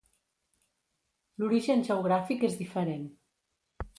L'origen geogràfic és diferent.